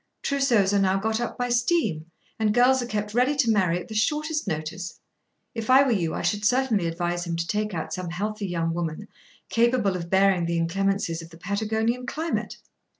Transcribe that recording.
Trousseaus are now got up by steam, and girls are kept ready to marry at the shortest notice. If I were you I should certainly advise him to take out some healthy young woman, capable of bearing the inclemencies of the Patagonian climate."